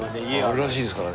あるらしいですからね。